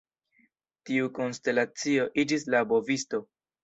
Tiu konstelacio iĝis la Bovisto.